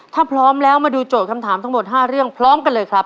ถ้าพร้อมแล้วมาดูโจทย์คำถามทั้งหมด๕เรื่องพร้อมกันเลยครับ